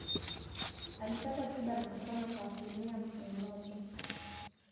Alipata tiba na kupona kwa asilimia mia moja.